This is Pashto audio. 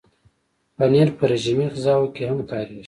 پنېر په رژیمي غذاوو کې هم کارېږي.